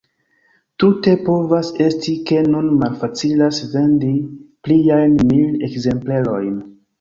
Tute povas esti, ke nun malfacilas vendi pliajn mil ekzemplerojn.